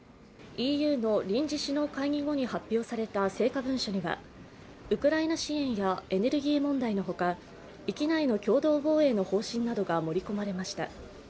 ＥＵの臨時首脳会議後に発表された成果文書にはウクライナ支援やエネルギー問題のほか、域内の共同防衛の方針などが盛り込まれました。